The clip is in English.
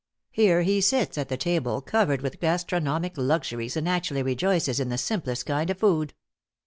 Here he sits at the table covered with gastronomic luxuries and actually rejoices in the simplest kind of food.